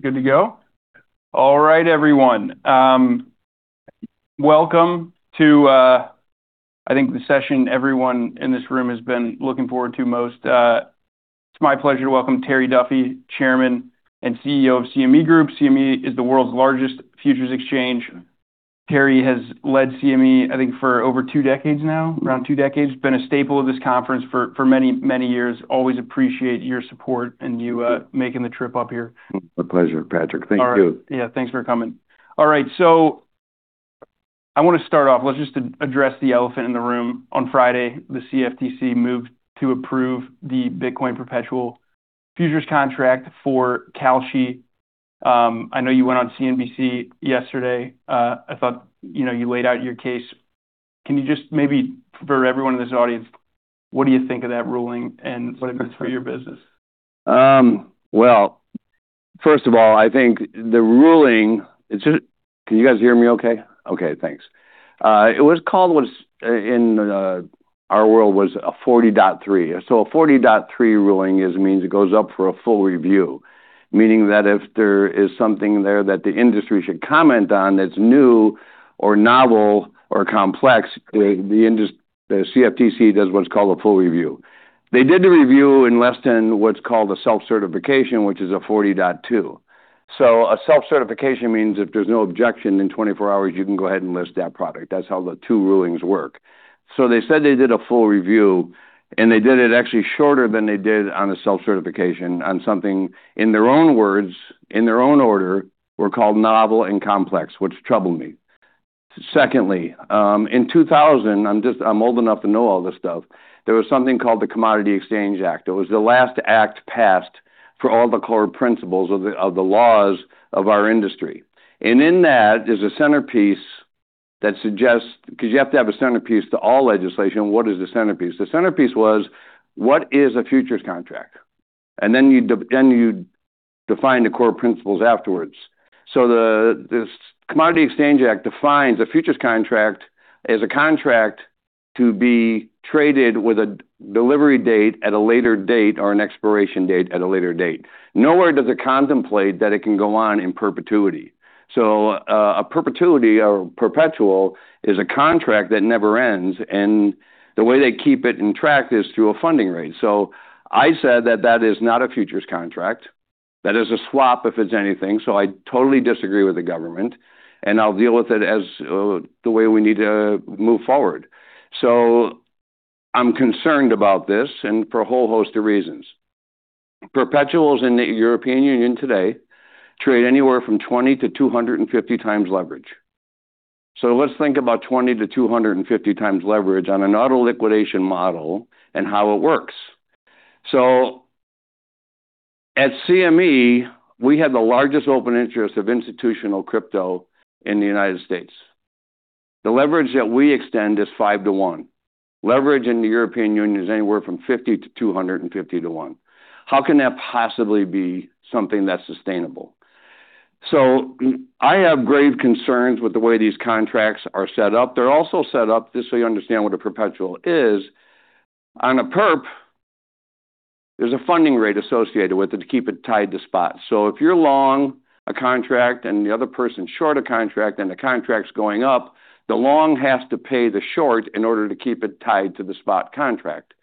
Good to go? All right, everyone. Welcome to, I think the session everyone in this room has been looking forward to most. It's my pleasure to welcome Terry Duffy, Chairman and CEO of CME Group. CME is the world's largest futures exchange. Terry has led CME, I think, for over two decades now, around two decades. Been a staple of this conference for many years. Always appreciate your support and you making the trip up here. A pleasure, Patrick. Thank you. All right. Yeah, thanks for coming. All right, I want to start off. Let's just address the elephant in the room. On Friday, the CFTC moved to approve the Bitcoin perpetual futures contract for Kalshi. I know you went on CNBC yesterday. I thought you laid out your case. Can you just maybe, for everyone in this audience, what do you think of that ruling and what it means for your business? Well, first of all, Can you guys hear me okay? Okay, thanks. It was called what in our world was a 40.3. So 40.3 ruling means it goes up for a full review, meaning that if there is something there that the industry should comment on that's new or novel or complex, the CFTC does what's called a full review. They did the review in less than what's called a self-certification, which is a 40.2. A self-certification means if there's no objection in 24 hours, you can go ahead and list that product. That's how the two rulings work. They said they did a full review, and they did it actually shorter than they did on a self-certification on something, in their own words, in their own order, were called novel and complex, which troubled me. In 2000, I'm old enough to know all this stuff, there was something called the Commodity Exchange Act. It was the last act passed for all the core principles of the laws of our industry. In that, there's a centerpiece that suggests. Because you have to have a centerpiece to all legislation. What is the centerpiece? The centerpiece was, what is a futures contract? You define the core principles afterwards. The Commodity Exchange Act defines a futures contract as a contract to be traded with a delivery date at a later date or an expiration date at a later date. Nowhere does it contemplate that it can go on in perpetuity. A perpetuity or perpetual is a contract that never ends, and the way they keep it in track is through a funding rate. I said that that is not a futures contract. That is a swap, if it's anything. I totally disagree with the government, and I'll deal with it as the way we need to move forward. I'm concerned about this and for a whole host of reasons. Perpetuals in the European Union today trade anywhere from 20 to 250x leverage. Let's think about 20 to 250x leverage on an auto-liquidation model and how it works. At CME, we have the largest open interest of institutional crypto in the United States. The leverage that we extend is 5:1. Leverage in the European Union is anywhere from 50 to 250:1. How can that possibly be something that's sustainable? I have grave concerns with the way these contracts are set up. They're also set up, just so you understand what a perpetual is. On a perp, there's a funding rate associated with it to keep it tied to spot. If you long a contract and the other person's short a contract and the contract's going up, the long has to pay the short in order to keep it tied to the spot contract.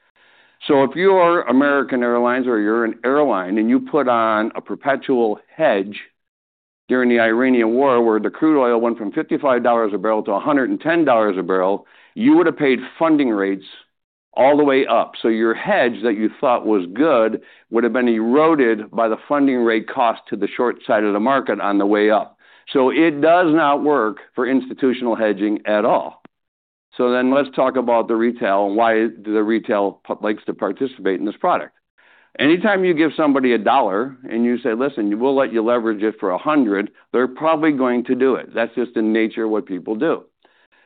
If you are American Airlines or you're an airline and you put on a perpetual hedge during the Iranian war, where the crude oil went from $55 a barrel to $110 a barrel, you would have paid funding rates all the way up. Your hedge that you thought was good would have been eroded by the funding rate cost to the short side of the market on the way up. It does not work for institutional hedging at all. Let's talk about the retail and why the retail likes to participate in this product. Anytime you give somebody a dollar and you say, "Listen, we'll let you leverage it for 100," they're probably going to do it. That's just the nature of what people do.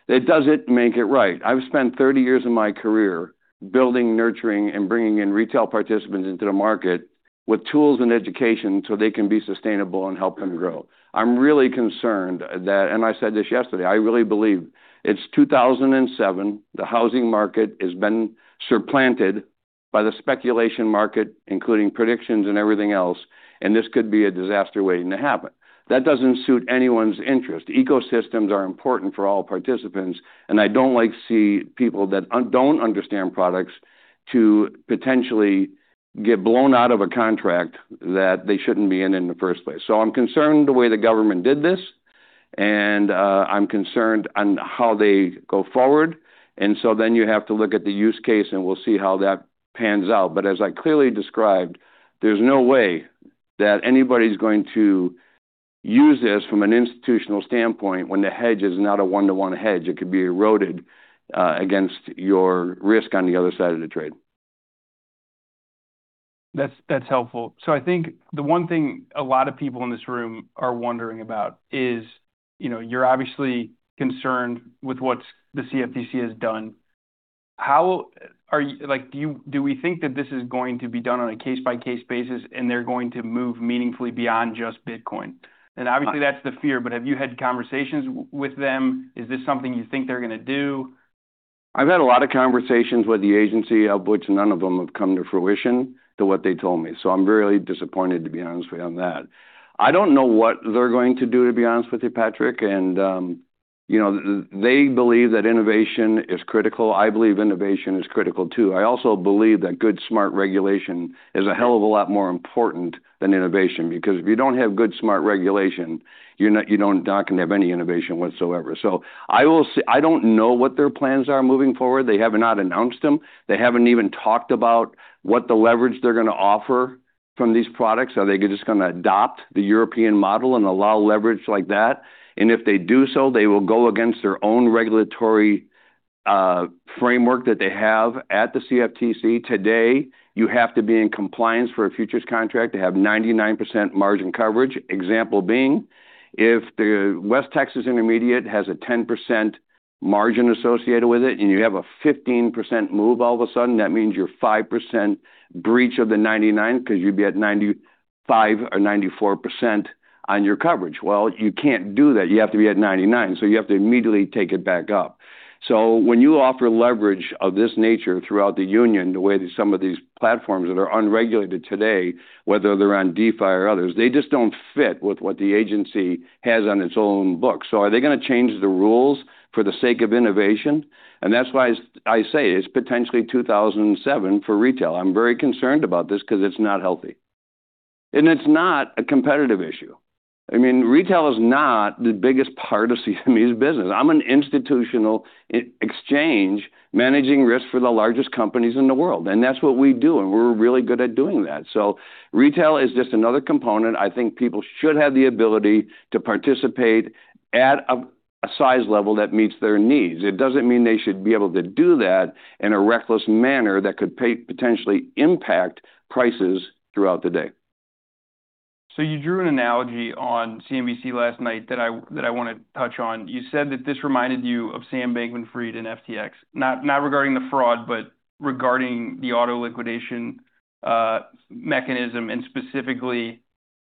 It doesn't make it right. I've spent 30 years of my career building, nurturing, and bringing in retail participants into the market with tools and education so they can be sustainable and help them grow. I'm really concerned that, and I said this yesterday, I really believe it's 2007, the housing market has been supplanted by the speculation market, including predictions and everything else, and this could be a disaster waiting to happen. That doesn't suit anyone's interest. Ecosystems are important for all participants, and I don't like to see people that don't understand products to potentially get blown out of a contract that they shouldn't be in in the first place. I'm concerned the way the government did this, and I'm concerned on how they go forward. You have to look at the use case, and we'll see how that pans out. As I clearly described, there's no way that anybody's going to use this from an institutional standpoint when the hedge is not a one-to-one hedge. It could be eroded against your risk on the other side of the trade. That's helpful. I think the one thing a lot of people in this room are wondering about is you're obviously concerned with what the CFTC has done. Do we think that this is going to be done on a case-by-case basis and they're going to move meaningfully beyond just Bitcoin? Obviously, that's the fear, but have you had conversations with them? Is this something you think they're going to do? I've had a lot of conversations with the agency, of which none of them have come to fruition to what they told me. I'm really disappointed, to be honest with you on that. I don't know what they're going to do, to be honest with you, Patrick. They believe that innovation is critical. I believe innovation is critical, too. I also believe that good, smart regulation is a hell of a lot more important than innovation, because if you don't have good, smart regulation, you're not going to have any innovation whatsoever. I don't know what their plans are moving forward. They have not announced them. They haven't even talked about what the leverage they're going to offer from these products. Are they just going to adopt the European model and allow leverage like that? If they do so, they will go against their own regulatory framework that they have at the CFTC today. You have to be in compliance for a futures contract to have 99% margin coverage. Example being, if the West Texas Intermediate has a 10% margin associated with it, and you have a 15% move all of a sudden. That means you're 5% breach of the 99 because you'd be at 95% or 94% on your coverage. Well, you can't do that. You have to be at 99%, so you have to immediately take it back up. When you offer leverage of this nature throughout the union, the way that some of these platforms that are unregulated today, whether they're on DeFi or others, they just don't fit with what the agency has on its own books. Are they going to change the rules for the sake of innovation? That's why I say it's potentially 2007 for retail. I'm very concerned about this because it's not healthy. It's not a competitive issue. Retail is not the biggest part of CME's business. I'm an institutional exchange managing risk for the largest companies in the world, and that's what we do, and we're really good at doing that. Retail is just another component. I think people should have the ability to participate at a size level that meets their needs. It doesn't mean they should be able to do that in a reckless manner that could potentially impact prices throughout the day. You drew an analogy on CNBC last night that I want to touch on. You said that this reminded you of Sam Bankman-Fried and FTX. Not regarding the fraud, but regarding the auto-liquidation mechanism and specifically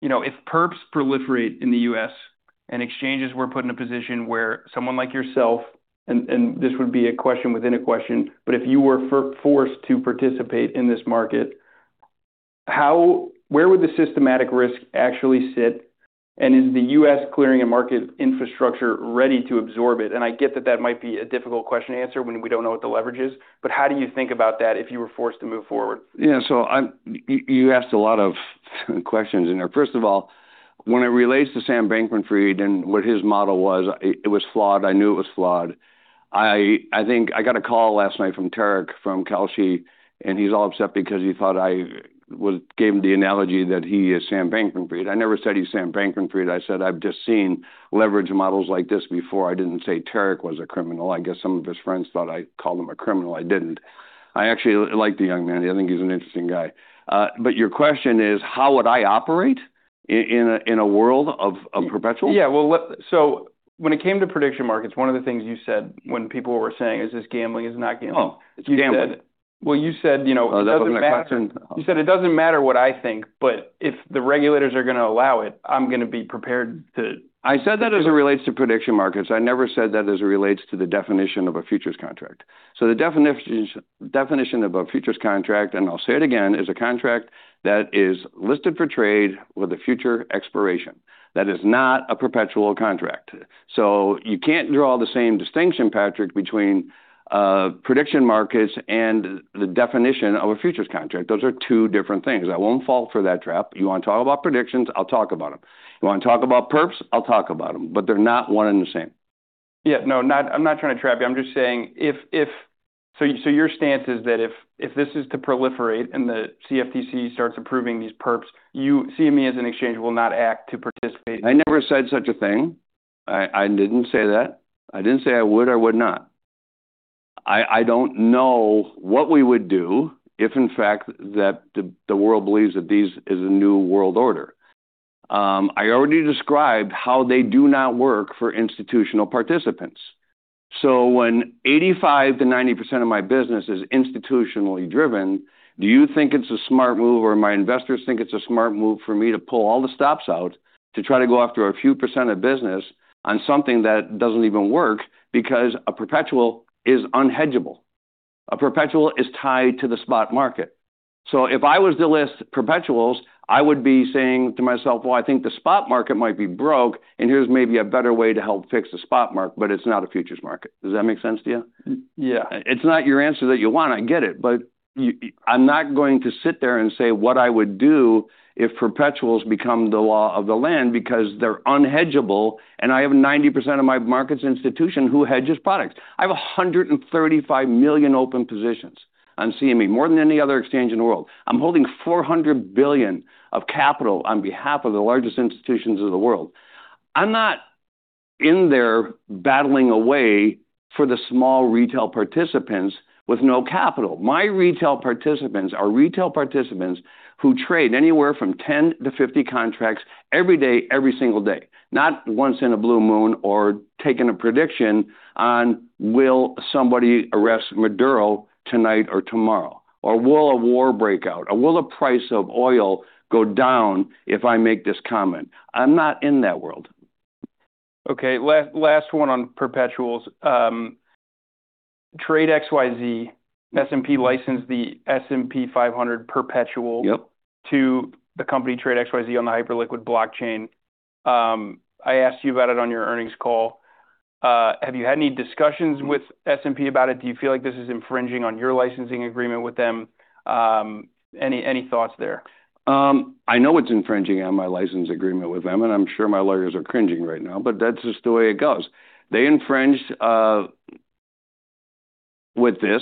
if perps proliferate in the U.S. and exchanges were put in a position where someone like yourself, and this would be a question within a question, but if you were forced to participate in this market, where would the systematic risk actually sit? Is the U.S. clearing a market infrastructure ready to absorb it? I get that that might be a difficult question to answer when we don't know what the leverage is, but how do you think about that if you were forced to move forward? Yeah. You asked a lot of questions in there. First of all, when it relates to Sam Bankman-Fried and what his model was, it was flawed. I knew it was flawed. I think I got a call last night from Tarek, from Kalshi, and he's all upset because he thought I gave him the analogy that he is Sam Bankman-Fried. I never said he's Sam Bankman-Fried. I said I've just seen leverage models like this before. I didn't say Tarek was a criminal. I guess some of his friends thought I called him a criminal. I didn't. I actually like the young man. I think he's an interesting guy. Your question is, how would I operate in a world of perpetual? When it came to prediction markets, one of the things you said when people were saying, "Is this gambling? Is it not gambling? Oh, it's gambling. Well. Oh, that wasn't a question? You said, "It doesn't matter what I think, but if the regulators are going to allow it, I'm going to be prepared to- I said that as it relates to prediction markets. I never said that as it relates to the definition of a futures contract. The definition of a futures contract, and I'll say it again, is a contract that is listed for trade with a future expiration. That is not a perpetual contract. You can't draw the same distinction, Patrick, between prediction markets and the definition of a futures contract. Those are two different things. I won't fall for that trap. You want to talk about predictions, I'll talk about them. You want to talk about perps, I'll talk about them. They're not one and the same. Yeah. No, I'm not trying to trap you. I'm just saying so your stance is that if this is to proliferate and the CFTC starts approving these perps, CME as an exchange will not act to participate. I never said such a thing. I didn't say that. I didn't say I would or would not. I don't know what we would do if, in fact, that the world believes that this is a new world order. I already described how they do not work for institutional participants. When 85%-90% of my business is institutionally driven, do you think it's a smart move, or my investors think it's a smart move for me to pull all the stops out to try to go after a few percent of business on something that doesn't even work? A perpetual is unhedgeable. A perpetual is tied to the spot market. If I was to list perpetuals, I would be saying to myself, "Well, I think the spot market might be broke, and here's maybe a better way to help fix the spot market," but it's not a futures market. Does that make sense to you? Yeah. It's not your answer that you want, I get it. I'm not going to sit there and say what I would do if perpetuals become the law of the land because they're unhedgeable, and I have 90% of my markets institution who hedges products. I have 135 million open positions on CME, more than any other exchange in the world. I'm holding 400 billion of capital on behalf of the largest institutions of the world. I'm not in there battling away for the small retail participants with no capital. My retail participants are retail participants who trade anywhere from 10-50 contracts every day, every single day, not once in a blue moon or taking a prediction on will somebody arrest Maduro tonight or tomorrow, or will a war break out, or will the price of oil go down if I make this comment? I'm not in that world. Okay, last one on perpetuals. Trade [XYZ], S&P licensed the S&P 500 perpetual. Yep To the company Trade[XYZ] on the Hyperliquid blockchain, I asked you about it on your earnings call. Have you had any discussions with S&P about it? Do you feel like this is infringing on your licensing agreement with them? Any thoughts there? I know it's infringing on my license agreement with them, and I'm sure my lawyers are cringing right now, but that's just the way it goes. They infringed, with this,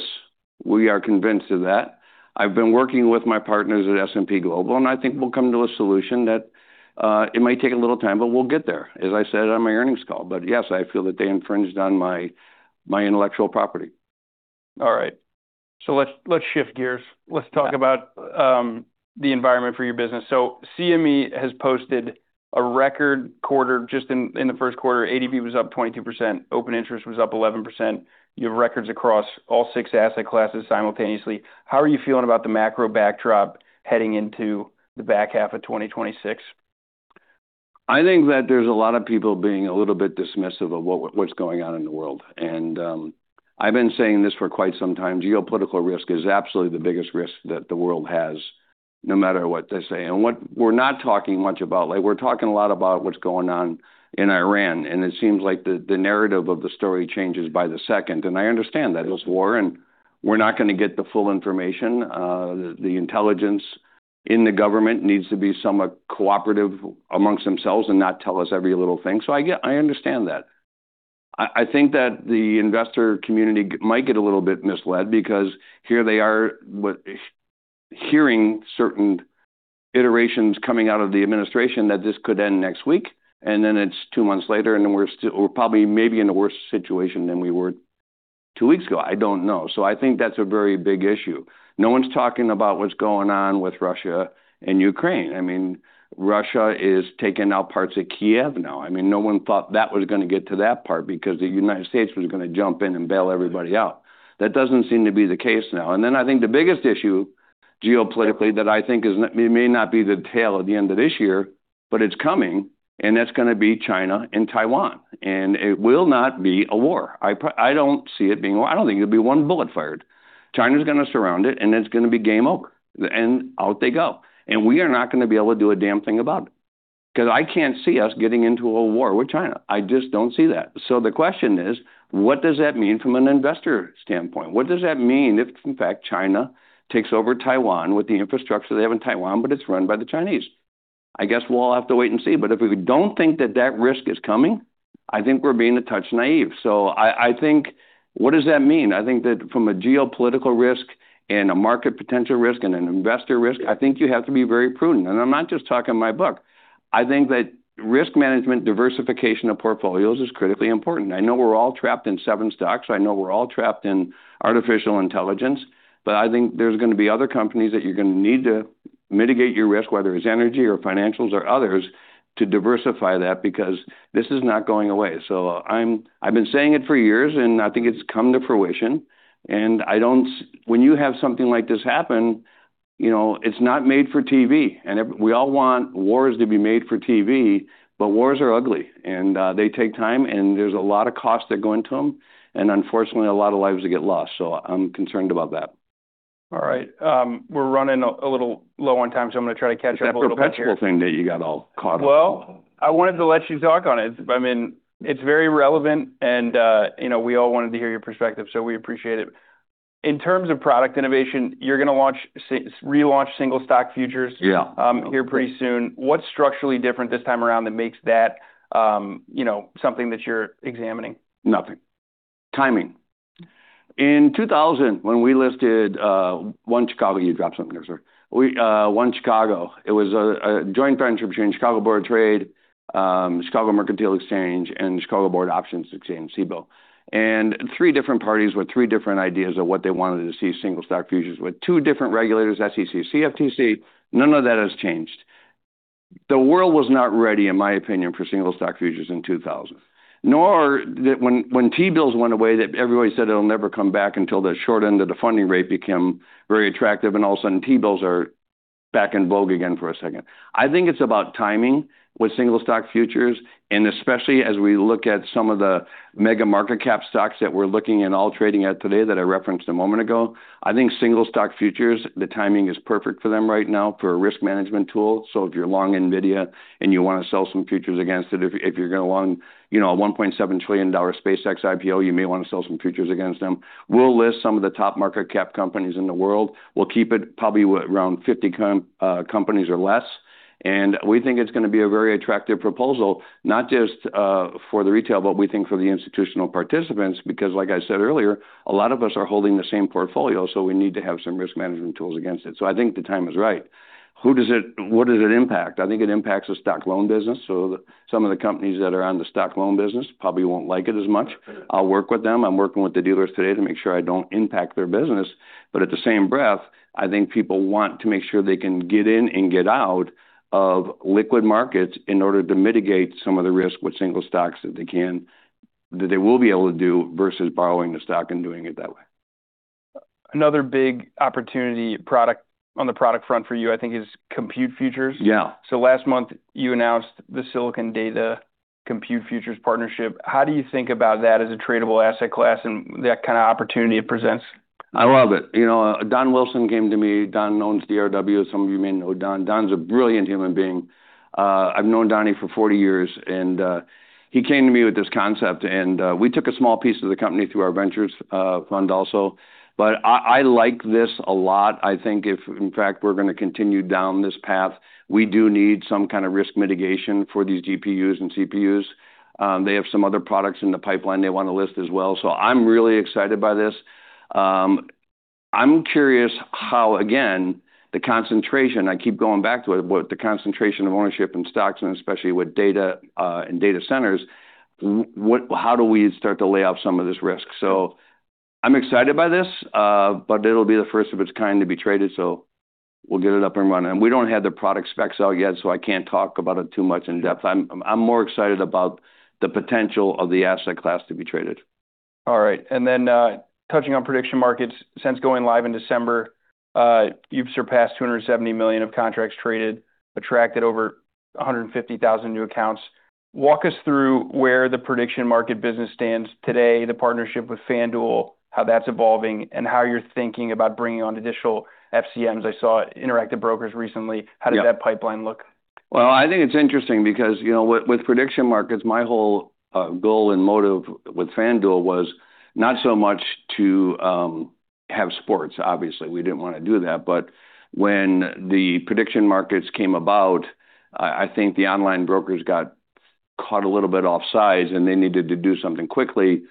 we are convinced of that. I've been working with my partners at S&P Global, and I think we'll come to a solution that it might take a little time, but we'll get there, as I said on my earnings call. Yes, I feel that they infringed on my intellectual property. All right. Let's shift gears. Let's talk about the environment for your business. CME has posted a record quarter just in the first quarter, ADV was up 22%, open interest was up 11%. You have records across all six asset classes simultaneously. How are you feeling about the macro backdrop heading into the back half of 2026? I think that there's a lot of people being a little bit dismissive of what's going on in the world. I've been saying this for quite some time. Geopolitical risk is absolutely the biggest risk that the world has, no matter what they say. What we're not talking much about, like we're talking a lot about what's going on in Iran, and it seems like the narrative of the story changes by the second. I understand that it's war, and we're not going to get the full information. The intelligence in the government needs to be somewhat cooperative amongst themselves and not tell us every little thing. I understand that. I think that the investor community might get a little bit misled because here they are, hearing certain iterations coming out of the administration that this could end next week, and then it's two months later, and we're probably maybe in a worse situation than we were two weeks ago. I don't know. I think that's a very big issue. No one's talking about what's going on with Russia and Ukraine. Russia is taking out parts of Kyiv now. No one thought that was going to get to that part because the United States was going to jump in and bail everybody out. That doesn't seem to be the case now. Then I think the biggest issue geopolitically that I think may not be the tale at the end of this year, but it's coming, and that's going to be China and Taiwan. It will not be a war. I don't see it being war. I don't think there'll be one bullet fired. China's going to surround it, and it's going to be game over. Out they go. We are not going to be able to do a damn thing about it because I can't see us getting into a war with China. I just don't see that. The question is, what does that mean from an investor standpoint? What does that mean if in fact China takes over Taiwan with the infrastructure they have in Taiwan, but it's run by the Chinese? I guess we'll all have to wait and see. If we don't think that that risk is coming, I think we're being a touch naïve. I think what does that mean? I think that from a geopolitical risk and a market potential risk and an investor risk, I think you have to be very prudent. I'm not just talking my book. I think that risk management, diversification of portfolios is critically important. I know we're all trapped in seven stocks. I know we're all trapped in artificial intelligence. I think there's going to be other companies that you're going to need to mitigate your risk, whether it's energy or financials or others, to diversify that, because this is not going away. I've been saying it for years, and I think it's come to fruition. When you have something like this happen, it's not made for TV. We all want wars to be made for TV, but wars are ugly, and they take time, and there's a lot of costs that go into them, and unfortunately, a lot of lives that get lost. I'm concerned about that. All right. We're running a little low on time, so I'm going to try to catch up a little bit here. That perpetual thing that you got all caught up on. Well, I wanted to let you talk on it. It's very relevant, and we all wanted to hear your perspective. We appreciate it. In terms of product innovation, you're going to relaunch Single Stock futures. Yeah here pretty soon. What's structurally different this time around that makes that something that you're examining? Nothing. Timing. In 2000, when we listed OneChicago, you dropped something there, sir. OneChicago, it was a joint venture between Chicago Board of Trade, Chicago Mercantile Exchange, and Chicago Board Options Exchange, Cboe. Three different parties with three different ideas of what they wanted to see Single Stock futures with two different regulators, SEC, CFTC. None of that has changed. The world was not ready, in my opinion, for Single Stock futures in 2000, nor when T-bills went away, that everybody said it'll never come back until the short end of the funding rate became very attractive, and all of a sudden, T-bills are back in vogue again for a second. I think it's about timing with Single Stock futures, and especially as we look at some of the mega market cap stocks that we're looking at all trading at today that I referenced a moment ago. I think Single Stock futures, the timing is perfect for them right now for a risk management tool. If you're long NVIDIA and you want to sell some futures against it, if you're going long a $1.7 trillion SpaceX IPO, you may want to sell some futures against them. We'll list some of the top market cap companies in the world. We'll keep it probably around 50 companies or less, and we think it's going to be a very attractive proposal, not just for the retail, but we think for the institutional participants, because like I said earlier, a lot of us are holding the same portfolio, so we need to have some risk management tools against it. I think the time is right. What does it impact? I think it impacts the stock loan business. Some of the companies that are on the stock loan business probably won't like it as much. I'll work with them. I'm working with the dealers today to make sure I don't impact their business. At the same breath, I think people want to make sure they can get in and get out of liquid markets in order to mitigate some of the risk with single stocks that they will be able to do versus borrowing the stock and doing it that way. Another big opportunity on the product front for you, I think, is Compute Futures. Yeah. Last month you announced the Silicon Data Compute Futures partnership. How do you think about that as a tradable asset class and that kind of opportunity it presents? I love it. Don Wilson came to me. Don owns DRW. Some of you may know Don. Don's a brilliant human being. I've known Donny for 40 years, and he came to me with this concept, and we took a small piece of the company through our ventures fund also. I like this a lot. I think if, in fact, we're going to continue down this path, we do need some kind of risk mitigation for these GPUs and CPUs. They have some other products in the pipeline they want to list as well. I'm really excited by this. I'm curious how, again, the concentration, I keep going back to it, but the concentration of ownership in stocks and especially with data and data centers, how do we start to lay out some of this risk? I'm excited by this. It'll be the first of its kind to be traded, so we'll get it up and running. We don't have the product specs out yet, so I can't talk about it too much in depth. I'm more excited about the potential of the asset class to be traded. All right. Touching on prediction markets, since going live in December, you've surpassed 270 million contracts traded, attracted over 150,000 new accounts. Walk us through where the prediction market business stands today, the partnership with FanDuel, how that's evolving, and how you're thinking about bringing on additional FCMs. I saw Interactive Brokers recently. Yep. How does that pipeline look? I think it's interesting because, with prediction markets, my whole goal and motive with FanDuel was not so much to have sports. Obviously, we didn't want to do that. When the prediction markets came about, I think the online brokers got caught a little bit off-size, and they needed to do something quickly.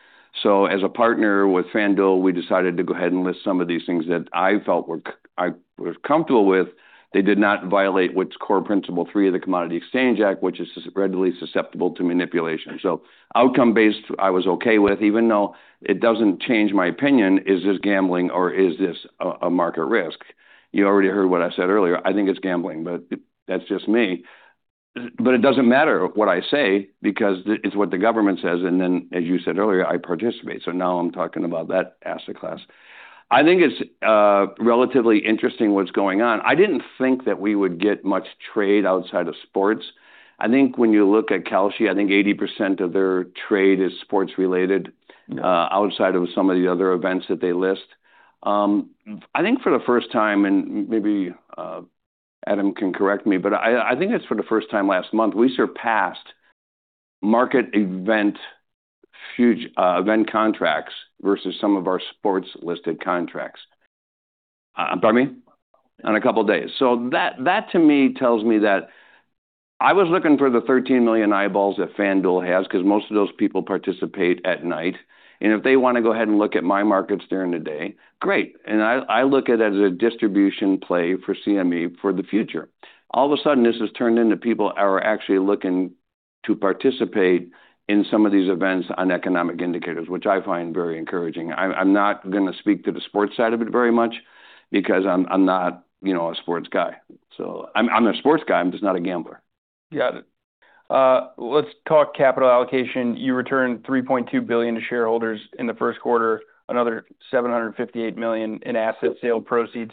As a partner with FanDuel, we decided to go ahead and list some of these things that I felt I was comfortable with. They did not violate what's Core Principle 3 of the Commodity Exchange Act, which is readily susceptible to manipulation. Outcome-based, I was okay with, even though it doesn't change my opinion, is this gambling or is this a market risk? You already heard what I said earlier. I think it's gambling, but that's just me. It doesn't matter what I say because it's what the government says, and then, as you said earlier, I participate, so now I'm talking about that asset class. I think it's relatively interesting what's going on. I didn't think that we would get much trade outside of sports. I think when you look at Kalshi, I think 80% of their trade is sports-related. Yeah outside of some of the other events that they list. I think for the first time, and maybe Adam can correct me, but I think it's for the first time last month, we surpassed market event contracts versus some of our sports listed contracts. Pardon me? On a couple of days. That to me tells me that I was looking for the 13 million eyeballs that FanDuel has because most of those people participate at night, and if they want to go ahead and look at my markets during the day, great, and I look at it as a distribution play for CME for the future. All of a sudden, this has turned into people are actually looking to participate in some of these events on economic indicators, which I find very encouraging. I'm not going to speak to the sports side of it very much because I'm not a sports guy. I'm a sports guy, I'm just not a gambler. Got it. Let's talk capital allocation. You returned $3.2 billion to shareholders in the first quarter, another $758 million in asset sale proceeds.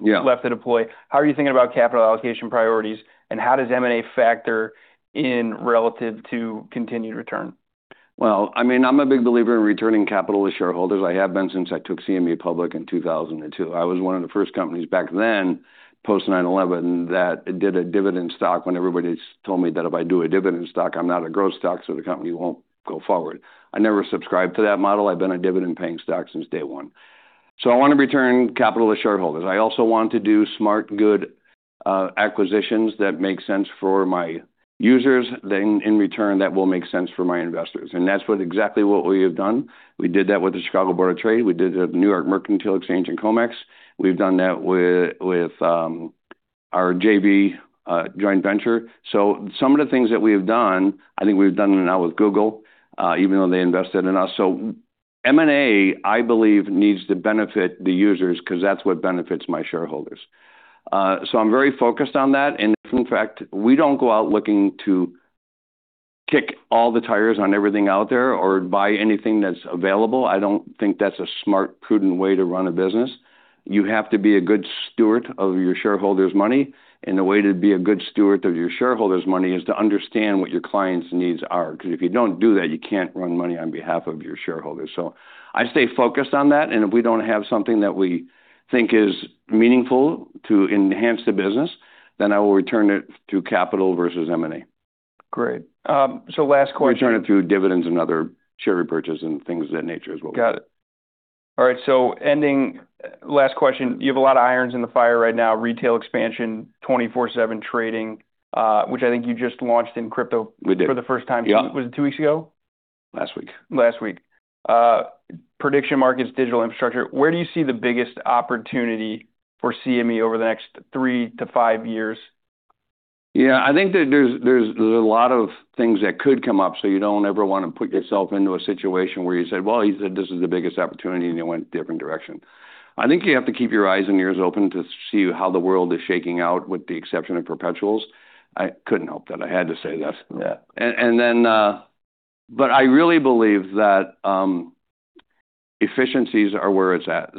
Yeah left to deploy. How are you thinking about capital allocation priorities, and how does M&A factor in relative to continued return? Well, I'm a big believer in returning capital to shareholders. I have been since I took CME public in 2002. I was one of the first companies back then, post 9/11, that did a dividend stock when everybody told me that if I do a dividend stock, I'm not a growth stock, so the company won't go forward. I never subscribed to that model. I've been a dividend-paying stock since day one. I want to return capital to shareholders. I also want to do smart, good acquisitions that make sense for my users, then in return that will make sense for my investors. That's exactly what we have done. We did that with the Chicago Board of Trade. We did the New York Mercantile Exchange and COMEX. We've done that with our JV, joint venture. Some of the things that we have done, I think we've done now with Google, even though they invested in us. M&A, I believe, needs to benefit the users because that's what benefits my shareholders. I'm very focused on that. If, in fact, we don't go out looking to kick all the tires on everything out there or buy anything that's available, I don't think that's a smart, prudent way to run a business. You have to be a good steward of your shareholders' money, and the way to be a good steward of your shareholders' money is to understand what your clients' needs are. If you don't do that, you can't run money on behalf of your shareholders. I stay focused on that, and if we don't have something that we think is meaningful to enhance the business, then I will return it to capital versus M&A. Great. Last question. Return it through dividends and other share repurchase and things of that nature. Got it. All right, ending, last question. You have a lot of irons in the fire right now, retail expansion, 24/7 trading, which I think you just launched in crypto- We did. for the first time. Yeah. Was it two weeks ago? Last week. Last week. Prediction markets, digital infrastructure. Where do you see the biggest opportunity for CME over the next three to five years? Yeah. I think that there's a lot of things that could come up, so you don't ever want to put yourself into a situation where you said, "Well, he said this is the biggest opportunity," and it went different direction. I think you have to keep your eyes and ears open to see how the world is shaking out, with the exception of perpetuals. I couldn't help that. I had to say this. Yeah. I really believe that efficiencies are where it's at.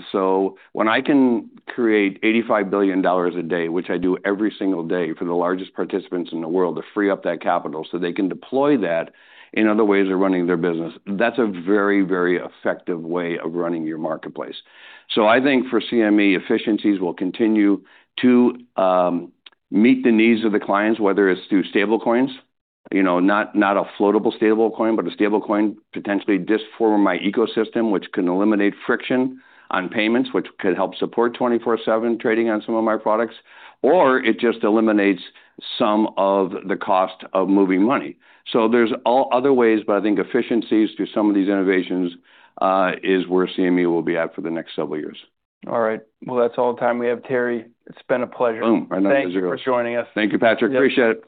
When I can create $85 billion a day, which I do every single day for the largest participants in the world, to free up that capital so they can deploy that in other ways of running their business, that's a very, very effective way of running your marketplace. I think for CME, efficiencies will continue to meet the needs of the clients, whether it's through stablecoins, not a floatable stablecoin, but a stablecoin potentially [this] for my ecosystem, which can eliminate friction on payments, which could help support 24/7 trading on some of my products, or it just eliminates some of the cost of moving money. There's other ways, but I think efficiencies through some of these innovations, is where CME will be at for the next several years. All right. Well, that's all the time we have, Terry. It's been a pleasure. Oh, my pleasure. Thank you for joining us. Thank you, Patrick. Appreciate it.